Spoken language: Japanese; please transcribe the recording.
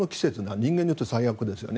人間にとっては最悪ですよね。